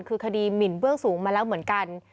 คือคดีหมินเบื้องสูงมาแล้วเหมือนกัน